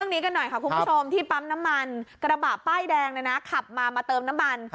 นี้กันหน่อยค่ะคุณผู้ชมที่ปั๊มน้ำมันกระบะป้ายแดงเนี่ยนะขับมามาเติมน้ำมัน